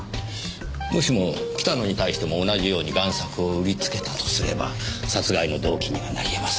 もしも北野に対しても同じように贋作を売りつけたとすれば殺害の動機にはなりえますね。